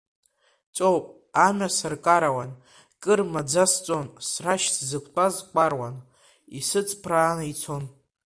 Ҵоуп, амҩа саркарауан, кыр маӡа сҵон, срашь сзықәтәаз кәаруан, исыҵԥрааны ицон.